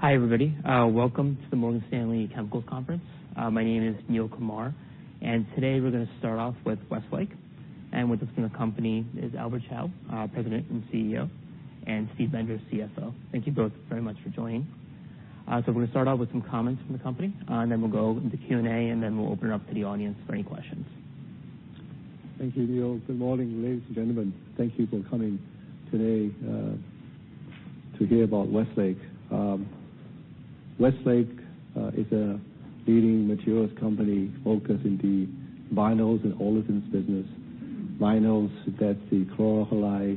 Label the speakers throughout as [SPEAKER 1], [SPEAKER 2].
[SPEAKER 1] Hi, everybody. Welcome to the Morgan Stanley Chemicals Conference. My name is Neel Kumar, and today we're going to start off with Westlake. With us from the company is Albert Chao, President and CEO, and Steve Bender, CFO. Thank you both very much for joining. We're going to start off with some comments from the company, then we'll go into Q&A, then we'll open it up to the audience for any questions.
[SPEAKER 2] Thank you, Neel. Good morning, ladies and gentlemen. Thank you for coming today to hear about Westlake. Westlake is a leading materials company focused in the vinyls and olefins business. Vinyls, that's the chlor-alkali,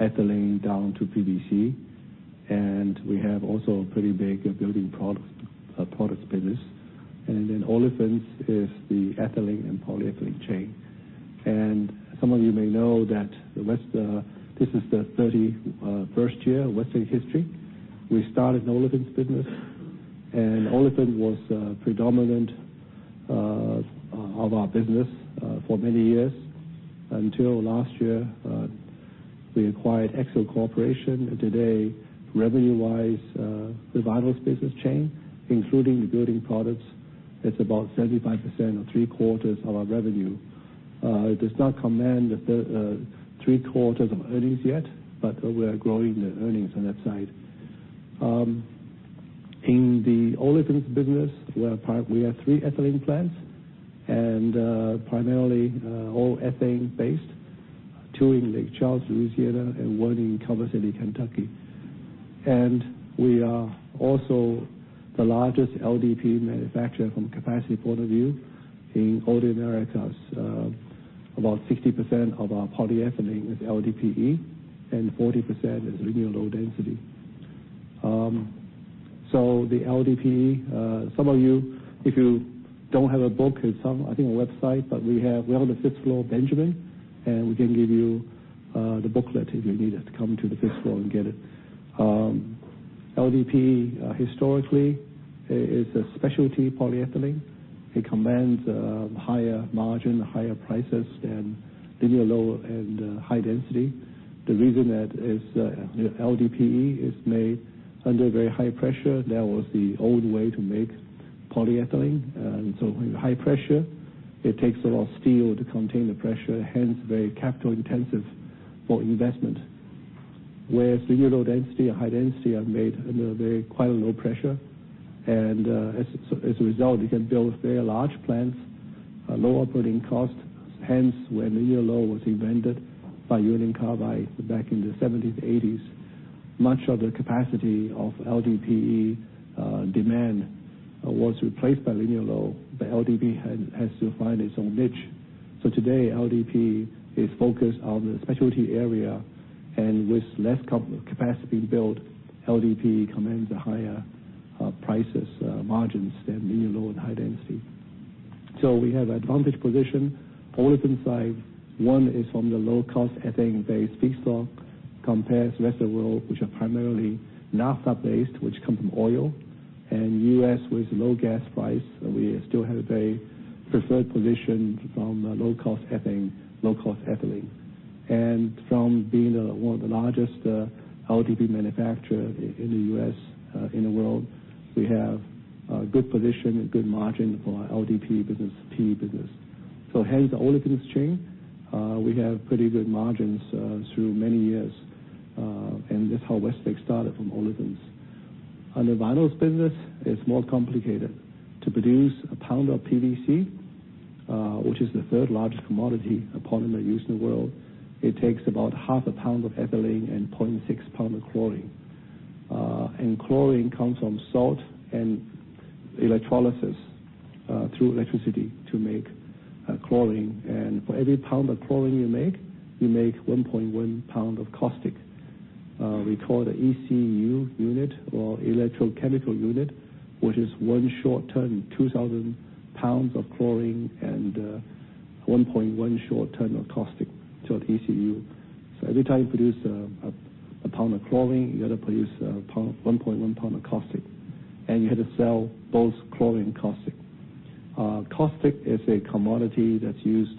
[SPEAKER 2] ethylene down to PVC. We have also a pretty big building products business. Then olefins is the ethylene and polyethylene chain. Some of you may know that this is the 31st year of Westlake history. We started in the olefins business. Olefins was predominant of our business for many years, until last year. We acquired Axiall Corporation. Today, revenue-wise, the vinyls business chain, including the building products, is about 75% or three-quarters of our revenue. It does not command the three-quarters of earnings yet, but we are growing the earnings on that side. In the olefins business, we have three ethylene plants, primarily all ethane-based, two in Lake Charles, Louisiana, and one in Calvert City, Kentucky. We are also the largest LDPE manufacturer from a capacity point of view in all the Americas. About 60% of our polyethylene is LDPE, and 40% is linear low-density. The LDPE, some of you, if you don't have a book, I think a website, but we have it on the fifth floor of Benjamin. We can give you the booklet if you need it, so come to the fifth floor and get it. LDPE historically is a specialty polyethylene. It commands a higher margin, higher prices than linear low and high density. The reason that is LDPE is made under very high pressure. That was the old way to make polyethylene. In high pressure, it takes a lot of steel to contain the pressure, hence very capital intensive for investment. Whereas linear low-density and high density are made under quite a low pressure. As a result, you can build very large plants, low operating cost. Hence, when linear low was invented by Union Carbide back in the '70s, '80s, much of the capacity of LDPE demand was replaced by linear low. LDPE has to find its own niche. Today, LDPE is focused on the specialty area. With less capacity built, LDPE commands higher prices, margins than linear low and high density. We have advantage position. Olefins side, one is from the low cost ethane-based feedstock compared to rest of world, which are primarily naphtha-based, which come from oil. U.S. with low gas price, we still have a preferred position from low cost ethylene. From being one of the largest LDPE manufacturer in the U.S., in the world, we have a good position and good margin for our LDPE business, PE business. Hence the olefins chain. We have pretty good margins through many years. That's how Westlake started from olefins. On the vinyls business, it's more complicated. To produce a pound of PVC, which is the third largest commodity polymer used in the world, it takes about half a pound of ethylene and 0.6 pound of chlorine. Chlorine comes from salt and electrolysis through electricity to make chlorine. For every pound of chlorine you make, you make 1.1 pound of caustic. We call it an ECU unit or electrochemical unit, which is one short ton, 2,000 pounds of chlorine, and 1.1 short ton of caustic. ECU. Every time you produce a pound of chlorine, you got to produce 1.1 pound of caustic. You have to sell both chlorine and caustic. Caustic is a commodity that's used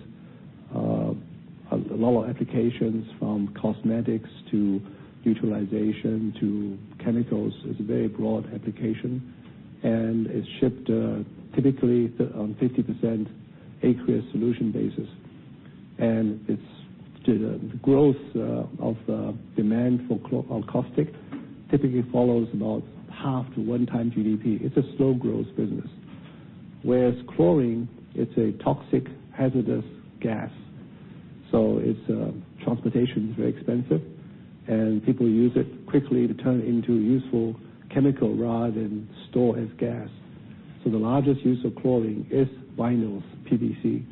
[SPEAKER 2] in a lot of applications from cosmetics to utilization to chemicals. It's a very broad application. It's shipped typically on 50% aqueous solution basis. The growth of demand for caustic typically follows about half to one time GDP. It's a slow growth business. Whereas chlorine, it's a toxic, hazardous gas. Its transportation is very expensive, and people use it quickly to turn into a useful chemical rather than store as gas. The largest use of chlorine is vinyls PVC.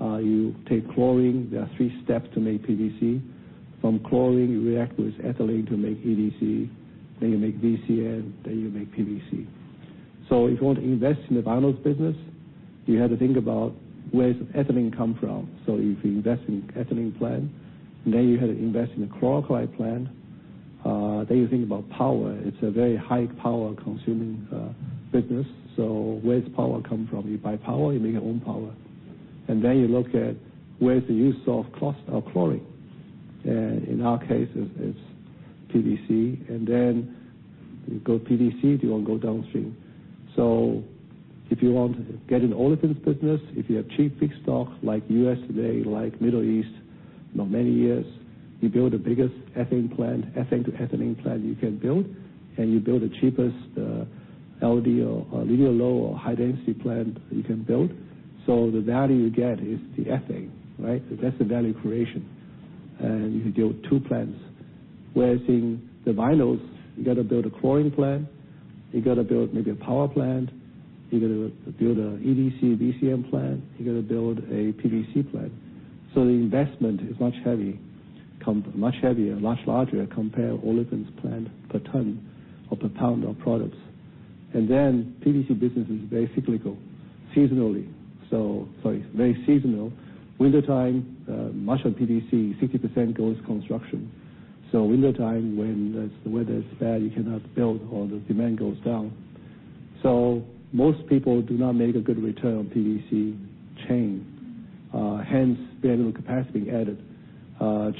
[SPEAKER 2] You take chlorine, there are three steps to make PVC. From chlorine, you react with ethylene to make EDC, then you make VCM, then you make PVC. If you want to invest in the vinyls business, you have to think about where's the ethylene come from. If you invest in ethylene plant, you have to invest in a chlor-alkali plant. You think about power. It's a very high power consuming business. Where's power come from? You buy power, you make your own power. Then you look at where's the use of chlorine. In our case, it's PVC. Then you go PVC, you want to go downstream. If you want to get an olefins business, if you have cheap feed stock like U.S. today, like Middle East for many years, you build the biggest ethane plant, ethane to ethylene plant you can build, and you build the cheapest LD or linear low or high-density plant you can build. The value you get is the ethane, right? That's the value creation. You can build two plants. Whereas in the vinyls, you got to build a chlorine plant, you got to build maybe a power plant, you got to build a EDC VCM plant. You got to build a PVC plant. The investment is much heavy, much heavier, much larger compare olefins plant per ton or per pound of products. Then PVC business is very cyclical seasonally. Sorry, very seasonal. Wintertime, much of PVC, 60% goes construction. Wintertime, when the weather is bad, you cannot build or the demand goes down. Most people do not make a good return on PVC chain. Hence, very little capacity added.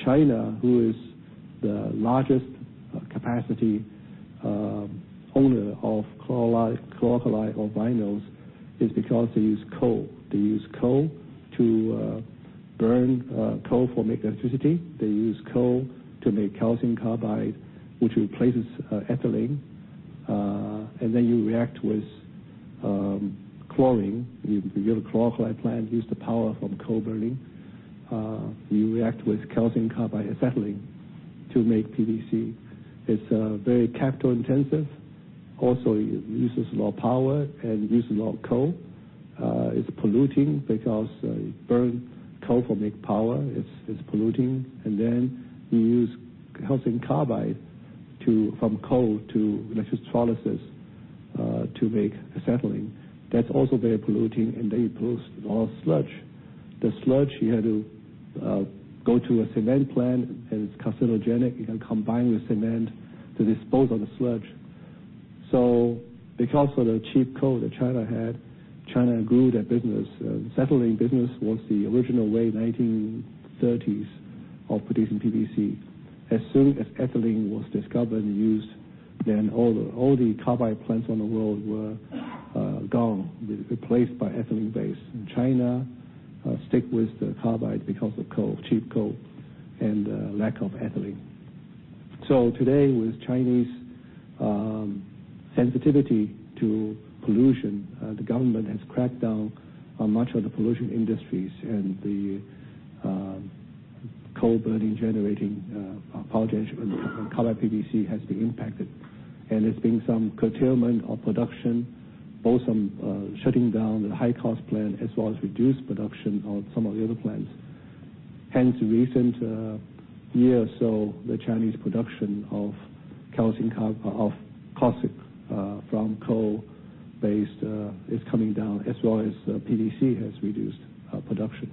[SPEAKER 2] China, who is the largest capacity owner of chlor-alkali or vinyls, is because they use coal. They use coal to burn coal for make electricity. They use coal to make calcium carbide, which replaces ethylene. Then you react with chlorine. If you have a chlor-alkali plant, use the power from coal burning. You react with calcium carbide and acetylene to make PVC. It's very capital intensive, also uses a lot of power and uses a lot of coal. It's polluting because you burn coal for make power. It's polluting. Then you use calcium carbide from coal to electrolysis to make acetylene. That's also very polluting, then you produce a lot of sludge. The sludge, you have to go to a cement plant. It's carcinogenic. You can combine with cement to dispose of the sludge. Because of the cheap coal that China had, China grew their business. Acetylene business was the original way, 1930s, of producing PVC. As soon as ethylene was discovered and used, all the carbide plants in the world were gone, replaced by ethylene-based. China stick with the carbide because of coal, cheap coal, and lack of ethylene. Today, with Chinese sensitivity to pollution, the government has cracked down on much of the pollution industries, and the coal-burning generating power generation and carbide PVC has been impacted. There's been some curtailment of production, both from shutting down the high-cost plant as well as reduced production on some of the other plants. Hence, recent year or so, the Chinese production of caustic from coal-based is coming down as well as PVC has reduced production.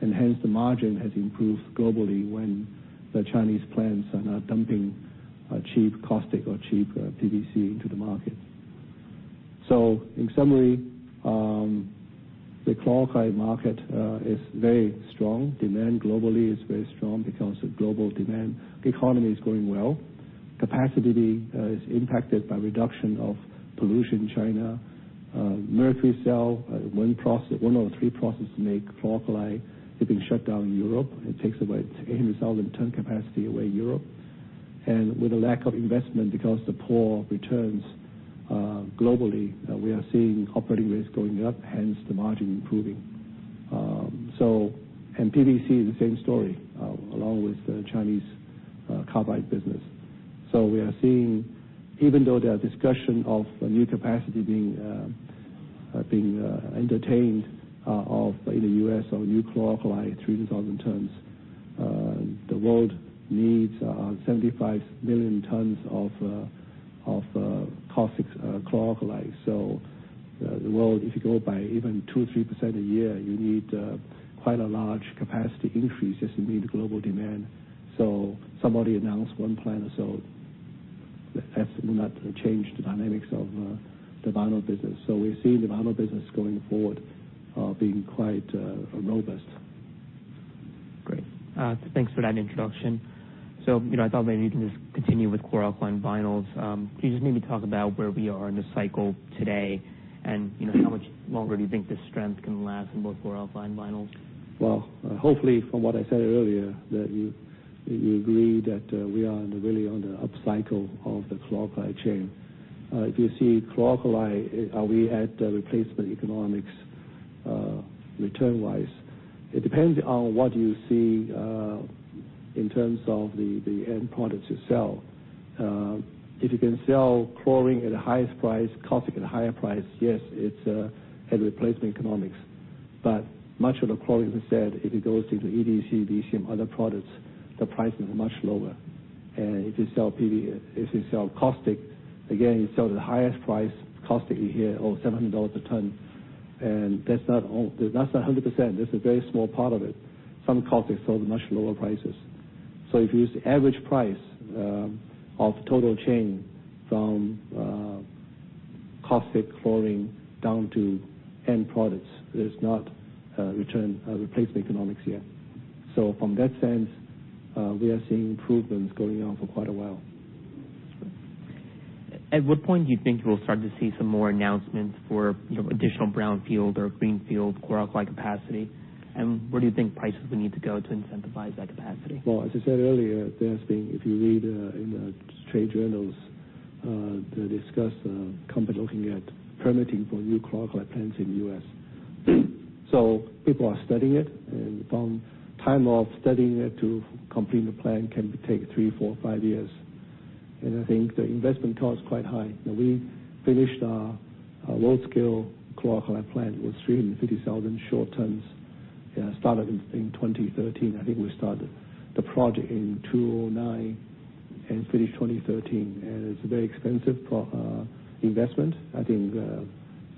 [SPEAKER 2] Hence, the margin has improved globally when the Chinese plants are now dumping cheap caustic or cheap PVC into the market. In summary, the chlor-alkali market is very strong. Demand globally is very strong because of global demand. The economy is growing well. Capacity is impacted by reduction of pollution in China. Mercury cell, one of the three processes to make chlor-alkali, is being shut down in Europe. It takes away 800,000 tons capacity away Europe. With a lack of investment because the poor returns globally, we are seeing operating rates going up, hence, the margin improving. PVC is the same story, along with the Chinese carbide business. We are seeing, even though there are discussion of a new capacity being entertained in the U.S. of new chlor-alkali, 3,000 tons, the world needs 75 million tons of caustic chlor-alkali. The world, if you go by even 2%, 3% a year, you need quite a large capacity increase just to meet the global demand. Somebody announced one plant or so. That's not going to change the dynamics of the vinyl business. We see the vinyl business going forward, being quite robust.
[SPEAKER 1] Great. Thanks for that introduction. I thought maybe we can just continue with chlor-alkali and vinyls. Can you just maybe talk about where we are in the cycle today, and how much longer do you think this strength can last in both chlor-alkali and vinyls?
[SPEAKER 2] Well, hopefully from what I said earlier, that you agree that we are really on the upcycle of the chlor-alkali chain. If you see chlor-alkali, are we at replacement economics return wise? It depends on what you see in terms of the end product you sell. If you can sell chlorine at the highest price, caustic at a higher price, yes, it has replacement economics. Much of the chlorine, as I said, if it goes into EDC, VCM, other products, the price is much lower. If you sell caustic, again, you sell the highest price caustic a year, $700 a ton. That's not 100%. That's a very small part of it. Some caustic sells at much lower prices. If you use the average price of total chain from caustic chlorine down to end products. There's no replacement economics yet. From that sense, we are seeing improvements going on for quite a while.
[SPEAKER 1] At what point do you think we'll start to see some more announcements for additional brownfield or greenfield chlor-alkali capacity? Where do you think prices would need to go to incentivize that capacity?
[SPEAKER 2] As I said earlier, if you read in the trade journals, they discuss companies looking at permitting for new chlor-alkali plants in the U.S. People are studying it, and from time of studying it to completing the plan can take three, four, five years. I think the investment cost is quite high. We finished our large-scale chlor-alkali plant with 350,000 short tons. It started in 2013. I think we started the project in 2009 and finished 2013, and it's very expensive for our investment. I think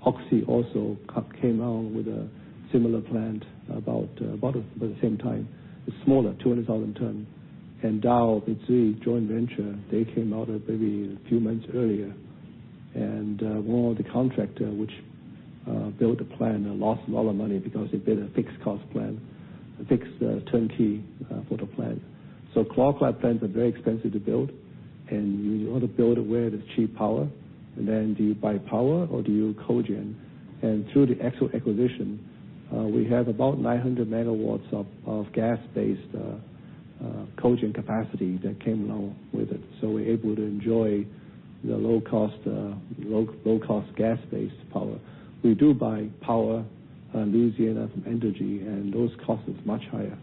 [SPEAKER 2] Oxy also came out with a similar plant about the same time. It's smaller, 200,000 tons. Dow, it's a joint venture. They came out maybe a few months earlier. One of the contractors which built the plant lost a lot of money because they bid a fixed cost plant, a fixed turnkey for the plant. Chlor-alkali plants are very expensive to build, and you ought to build where there's cheap power. Do you buy power or do you cogen? Through the Axiall acquisition, we have about 900 megawatts of gas-based cogen capacity that came along with it, so we're able to enjoy the low-cost gas-based power. We do buy power in Louisiana from Entergy, and those costs are much higher.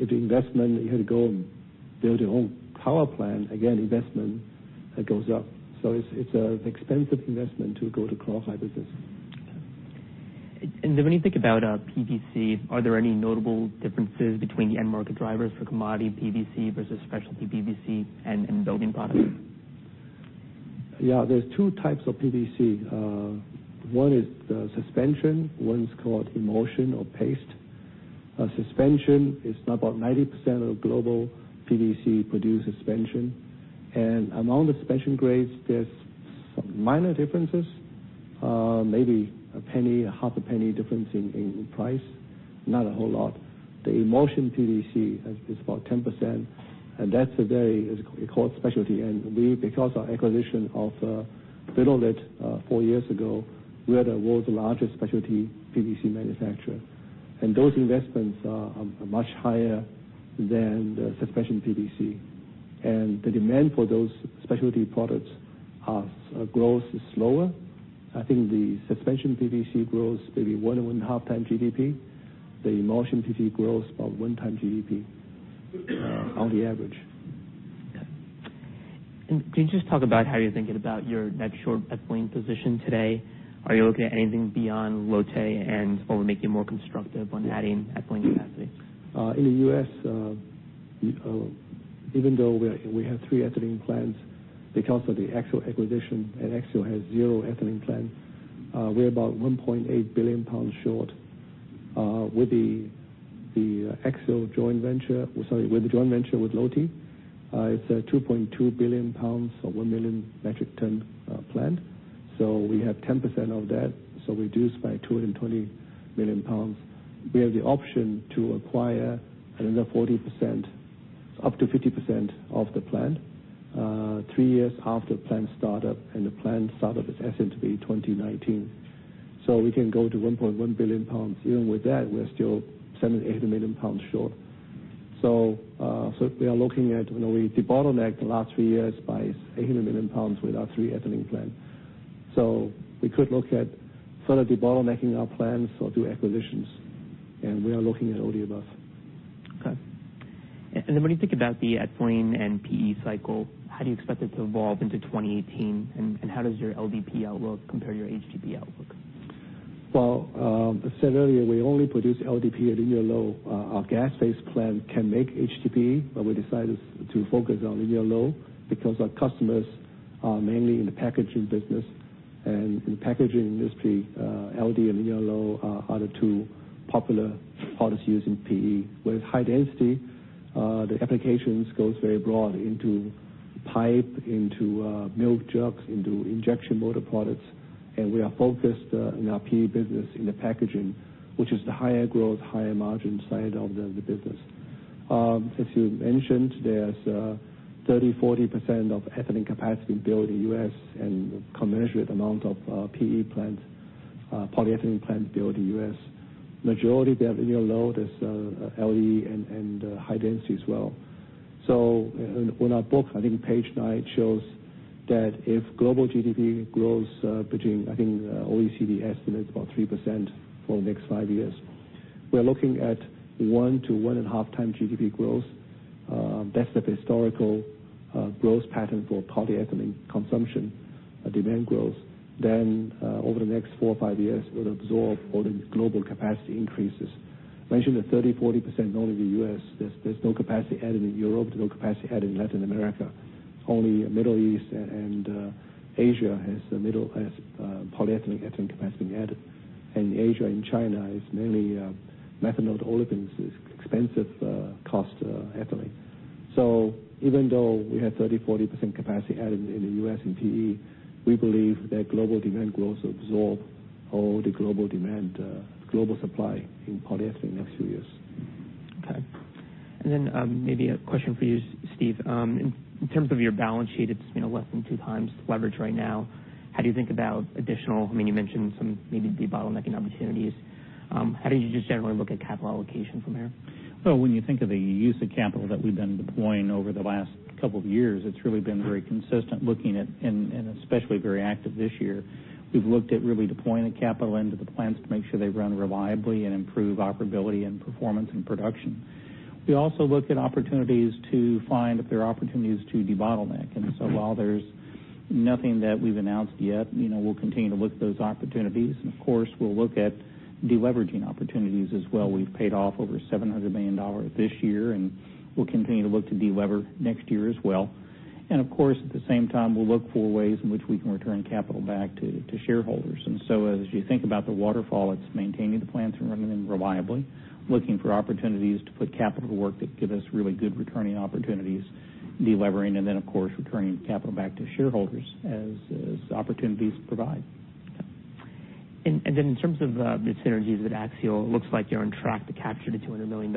[SPEAKER 2] With the investment, you had to go and build your own power plant. Again, investment goes up. It's an expensive investment to go to chlor-alkali business.
[SPEAKER 1] When you think about PVC, are there any notable differences between the end market drivers for commodity PVC versus specialty PVC and building products?
[SPEAKER 2] Yeah, there's 2 types of PVC. One is suspension, one is called emulsion or paste. Suspension is about 90% of global PVC produced. Among the suspension grades, there's some minor differences, maybe a penny, a half a penny difference in price. Not a whole lot. The emulsion PVC is about 10%, and that today is called specialty. Because our acquisition of Vinnolit four years ago, we are the world's largest specialty PVC manufacturer. Those investments are much higher than the suspension PVC. The demand for those specialty products grows slower. I think the suspension PVC grows maybe one and one half times GDP. The emulsion PVC grows about one time GDP on the average.
[SPEAKER 1] Okay. Can you just talk about how you're thinking about your net short ethylene position today? Are you looking at anything beyond Lotte, and what would make you more constructive on adding ethylene capacity?
[SPEAKER 2] In the U.S., even though we have three ethylene plants, because of the Axiall acquisition, and Axiall has zero ethylene plants, we're about 1.8 billion pounds short. With the joint venture with Lotte, it's a 2.2 billion pounds or 1 million metric ton plant. We have 10% of that. Reduced by 220 million pounds. We have the option to acquire another 40%, up to 50% of the plant three years after plant startup, and the plant startup is estimated to be 2019. We can go to 1.1 billion pounds. Even with that, we are still 700-800 million pounds short. We are looking at when we debottleneck the last three years by 800 million pounds with our three ethylene plants. We could look at further debottlenecking our plants or do acquisitions, and we are looking at all the above.
[SPEAKER 1] Okay. When you think about the ethylene and PE cycle, how do you expect it to evolve into 2018? How does your LDPE outlook compare to your HDPE outlook?
[SPEAKER 2] Well, as I said earlier, we only produce LDPE at linear low. Our gas-based plant can make HDPE, but we decided to focus on linear low because our customers are mainly in the packaging business. In the packaging industry, LD and linear low are the two popular polymers used in PE. With high density, the applications go very broad into pipe, into milk jugs, into injection molded products. We are focused in our PE business in the packaging, which is the higher growth, higher margin side of the business. As you mentioned, there's 30%, 40% of ethylene capacity built in the U.S. and commensurate amount of PE plants, polyethylene plants built in the U.S. Majority, they are linear low. There's LD and high density as well. On our book, I think page nine shows that if global GDP grows between, I think, OECD estimates about 3% for the next five years. We are looking at 1 to 1.5 times GDP growth. That's the historical growth pattern for polyethylene consumption demand growth. Over the next four or five years, it will absorb all the global capacity increases. Mention the 30%-40% only in the U.S. There's no capacity added in Europe. There's no capacity added in Latin America. Only Middle East and Asia has polyethylene, ethylene capacity added. Asia and China is mainly methanol-to-olefins, is expensive cost ethylene. Even though we have 30%-40% capacity added in the U.S. in PE, we believe that global demand growth will absorb all the global supply in polyethylene in the next few years.
[SPEAKER 1] Okay. Maybe a question for you, Steve. In terms of your balance sheet, it's less than 2 times leverage right now. How do you think about additional, you mentioned some maybe debottlenecking opportunities. How do you just generally look at capital allocation from here?
[SPEAKER 3] Well, when you think of the use of capital that we've been deploying over the last couple of years, it's really been very consistent looking at, and especially very active this year. We've looked at really deploying the capital into the plants to make sure they run reliably and improve operability and performance and production. We also look at opportunities to find if there are opportunities to debottleneck. While there's nothing that we've announced yet, we'll continue to look at those opportunities. We'll look at de-leveraging opportunities as well. We've paid off over $700 million this year, and we'll continue to look to de-lever next year as well. At the same time, we'll look for ways in which we can return capital back to shareholders. As you think about the waterfall, it's maintaining the plants and running them reliably, looking for opportunities to put capital to work that give us really good returning opportunities, de-levering, returning capital back to shareholders as opportunities provide.
[SPEAKER 1] Okay. Then in terms of the synergies with Axiall, it looks like you're on track to capture the $200 million.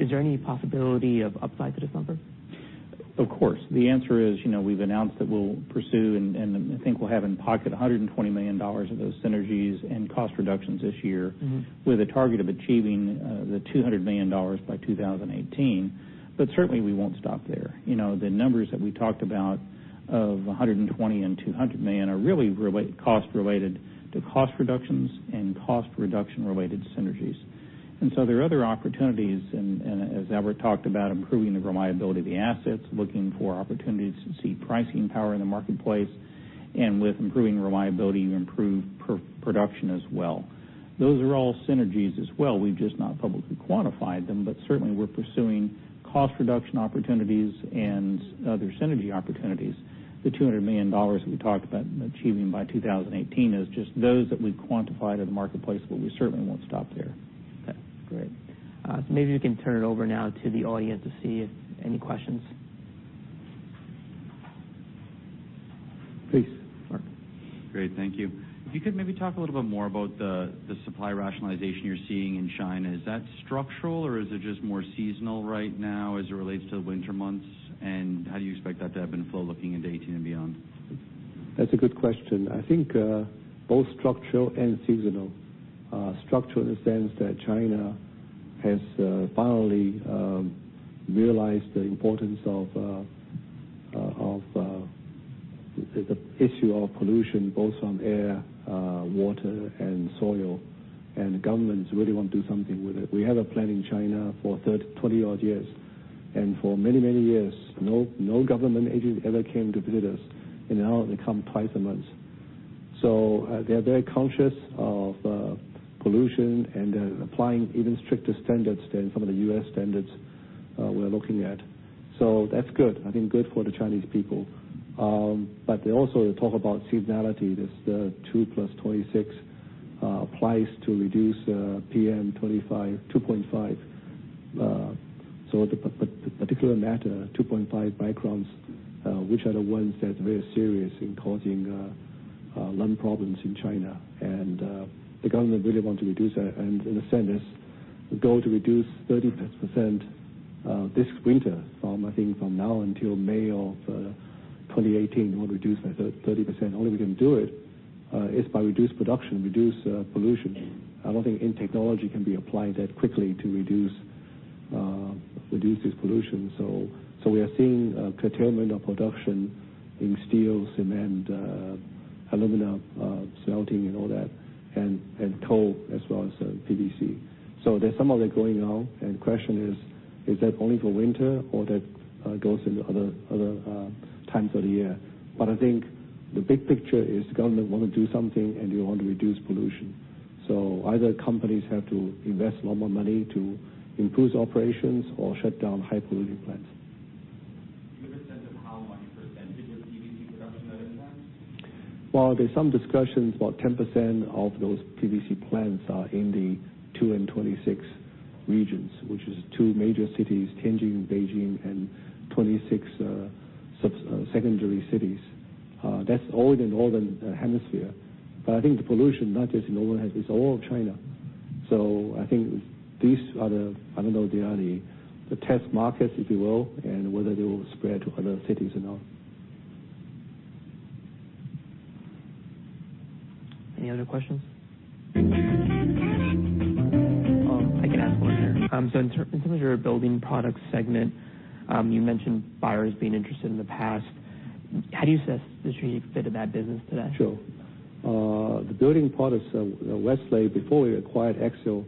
[SPEAKER 1] Is there any possibility of upside to this number?
[SPEAKER 3] Of course. The answer is, we've announced that we'll pursue, and I think we'll have in pocket $120 million of those synergies and cost reductions this year. With a target of achieving the $200 million by 2018. Certainly, we won't stop there. The numbers that we talked about of $120 and $200 million are really cost related to cost reductions and cost reduction related synergies. There are other opportunities, and as Albert talked about, improving the reliability of the assets, looking for opportunities to see pricing power in the marketplace, and with improving reliability and improved production as well. Those are all synergies as well. We've just not publicly quantified them, but certainly, we're pursuing cost reduction opportunities and other synergy opportunities. The $200 million that we talked about achieving by 2018 is just those that we quantify to the marketplace, but we certainly won't stop there.
[SPEAKER 1] Okay, great. Maybe we can turn it over now to the audience to see if any questions.
[SPEAKER 2] Please, Mark.
[SPEAKER 4] Great. Thank you. If you could maybe talk a little bit more about the supply rationalization you're seeing in China. Is that structural, or is it just more seasonal right now as it relates to winter months? How do you expect that to ebb and flow looking into 2018 and beyond?
[SPEAKER 2] That's a good question. I think both structural and seasonal. Structural in the sense that China has finally realized the importance of the issue of pollution, both on air, water, and soil. The government really want to do something with it. We have a plant in China for 20 odd years, and for many, many years, no government agent ever came to visit us, and now they come twice a month. They are very conscious of pollution, and they're applying even stricter standards than some of the U.S. standards we're looking at. That's good. I think good for the Chinese people. They also talk about seasonality. There's the 2+26 applies to reduce PM 2.5. The particulate matter, 2.5 microns, which are the ones that are very serious in causing lung problems in China. The government really want to reduce that, and in a sense, go to reduce 30% this winter from, I think from now until May of 2018, we want to reduce by 30%. Only way we can do it is by reduce production, reduce pollution. I don't think any technology can be applied that quickly to reduce this pollution. We are seeing a curtailment of production in steel, cement, alumina, smelting and all that, and coal as well as PVC. There's some of that going on, and question is that only for winter or that goes into other times of the year? I think the big picture is government want to do something, and they want to reduce pollution. Either companies have to invest a lot more money to improve operations or shut down high polluting plants.
[SPEAKER 4] Do you have a sense of how much % of PVC production that impacts?
[SPEAKER 2] There's some discussions about 10% of those PVC plants are in the 2+26 regions, which is two major cities, Tianjin, Beijing, and 26 secondary cities. That's all in the Northern Hemisphere. I think the pollution, not just in the Northern Hemisphere, it's all of China. I think these are the test markets, if you will, and whether they will spread to other cities or not.
[SPEAKER 1] Any other questions? I can ask one here. In terms of your building products segment, you mentioned buyers being interested in the past. How do you assess the strategic fit of that business today?
[SPEAKER 2] Sure. The building products, Westlake, before we acquired Axiall,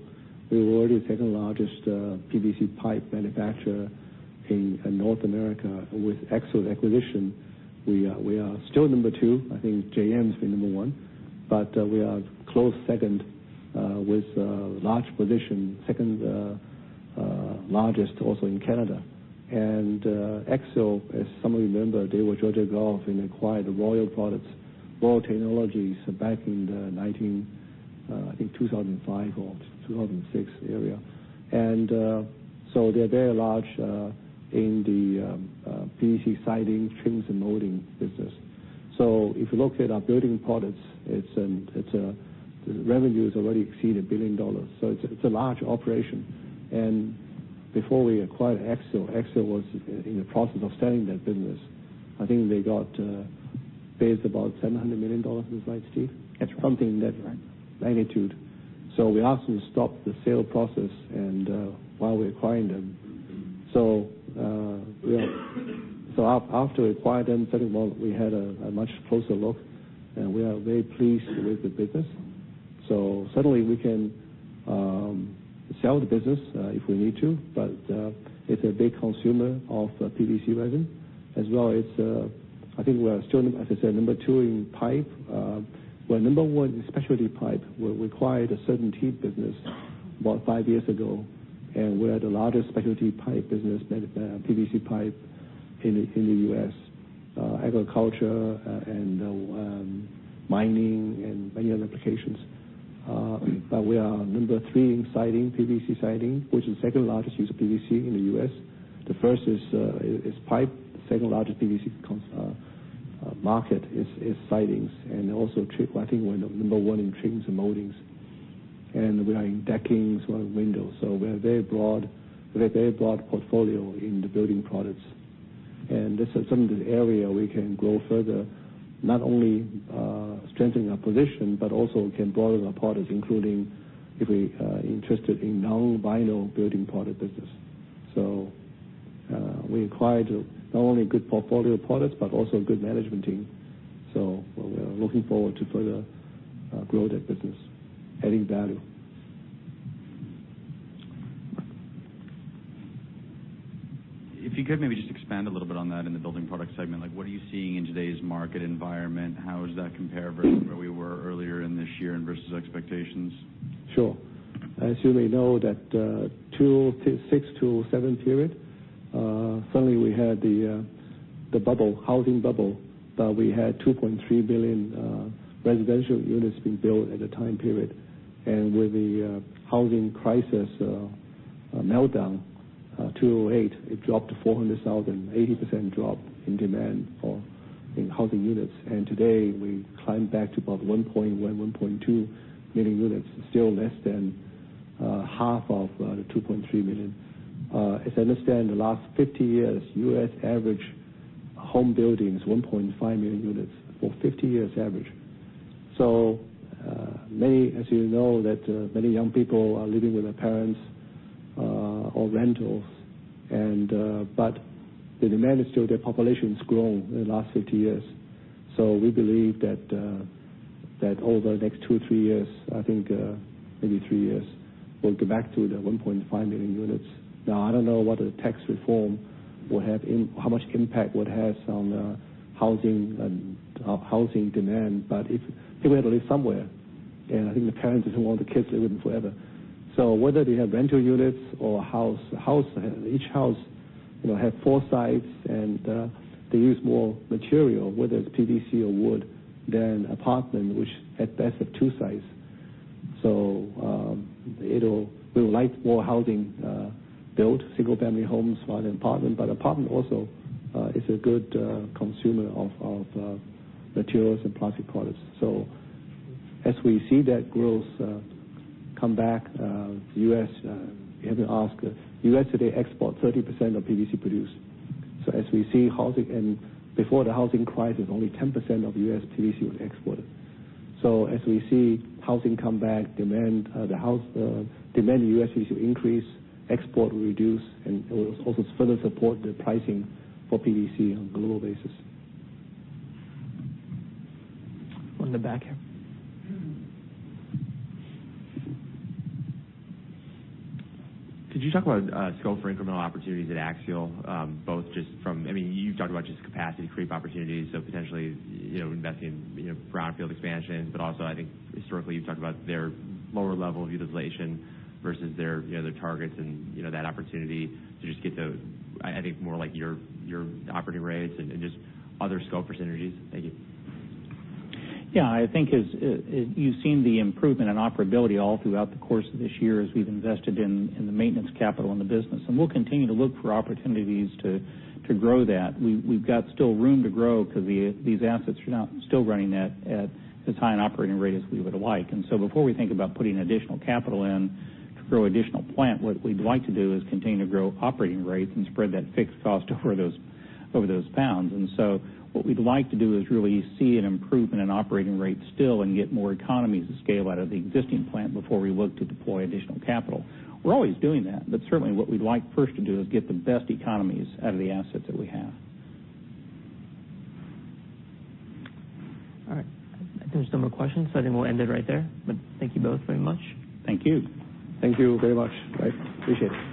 [SPEAKER 2] we were already the second-largest PVC pipe manufacturer in North America. With Axiall acquisition, we are still number two. I think JM's been number one, but we are close second with a large position, second largest also in Canada. Axiall, as some of you remember, they were Georgia Gulf and acquired the Royal Group products, Royal Group Technologies back in the 2005 or 2006 area. They're very large in the PVC siding, trims, and molding business. If you look at our building products, the revenue has already exceeded $1 billion. It's a large operation. Before we acquired Axiall was in the process of selling that business. I think they got paid about $700 million. Is that right, Steve?
[SPEAKER 3] That's right.
[SPEAKER 2] Something in that magnitude. We asked them to stop the sale process and while we acquired them. After we acquired them, suddenly we had a much closer look, and we are very pleased with the business. Suddenly we can sell the business if we need to. It's a big consumer of PVC resin, as well as, I think we are still, as I said, number 2 in pipe. We're number 1 in specialty pipe. We acquired a CertainTeed business about five years ago, and we are the largest specialty pipe business, PVC pipe, in the U.S. Agriculture and mining and many other applications. We are number 3 in siding, PVC siding, which is the second largest use of PVC in the U.S. The first is pipe. The second-largest PVC market is sidings, and also trim. I think we're number 1 in trims and moldings. We are in deckings or windows. We have a very broad portfolio in the building products. This is some of the area we can grow further, not only strengthening our position, but also can broaden our products, including if we are interested in non-vinyl building product business. We acquired not only a good portfolio of products, but also a good management team. We are looking forward to further grow that business, adding value.
[SPEAKER 4] If you could maybe just expand a little bit on that in the building product segment. What are you seeing in today's market environment? How does that compare versus where we were earlier in this year and versus expectations?
[SPEAKER 2] Sure. As you may know that 2006 to 2007 period, suddenly we had the housing bubble. We had 2.3 million residential units being built at that time period. With the housing crisis meltdown, 2008, it dropped to 400,000, an 80% drop in demand for housing units. Today, we climbed back to about 1.2 million units, still less than half of the 2.3 million. As I understand, the last 50 years, U.S. average home building is 1.5 million units, for 50 years average. Many, as you know, that many young people are living with their parents or rentals. The demand is still there. Population's grown in the last 50 years. We believe that over the next two, three years, I think maybe three years, we'll get back to the 1.5 million units. I don't know what the tax reform will have, how much impact would it have on housing and housing demand. They have to live somewhere, and I think the parents doesn't want the kids living with them forever. Whether they have rental units or a house, each house will have four sides, and they use more material, whether it's PVC or wood, than apartment, which at best have two sides. We would like more housing built, single-family homes more than apartment, but apartment also is a good consumer of materials and plastic products. As we see that growth come back to the U.S., you have to ask, U.S. today exports 30% of PVC produced. As we see housing, and before the housing crisis, only 10% of U.S. PVC was exported. As we see housing come back, demand, the house demand in the U.S. should increase, export will reduce, and it will also further support the pricing for PVC on a global basis.
[SPEAKER 3] On the back here.
[SPEAKER 5] Could you talk about scope for incremental opportunities at Axiall, both just from, you talked about just capacity creep opportunities, so potentially investing in brownfield expansion. Also, I think historically, you talked about their lower level of utilization versus their targets and that opportunity to just get to, I think more like your operating rates and just other scope percentages. Thank you.
[SPEAKER 3] Yeah, I think as you've seen the improvement in operability all throughout the course of this year as we've invested in the maintenance capital in the business. We'll continue to look for opportunities to grow that. We've got still room to grow because these assets are now still running at as high an operating rate as we would like. Before we think about putting additional capital in to grow additional plant, what we'd like to do is continue to grow operating rates and spread that fixed cost over those pounds. What we'd like to do is really see an improvement in operating rates still and get more economies of scale out of the existing plant before we look to deploy additional capital. We're always doing that, but certainly what we'd like first to do is get the best economies out of the assets that we have.
[SPEAKER 1] All right. I think there's no more questions, so I think we'll end it right there. Thank you both very much.
[SPEAKER 3] Thank you.
[SPEAKER 2] Thank you very much. Right. Appreciate it.